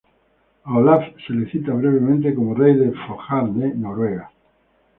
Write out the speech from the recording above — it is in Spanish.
A Olaf se le cita brevemente como rey de Fjordane, Noruega.